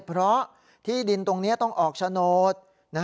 เพราะที่ดินตรงนี้ต้องออกโฉนด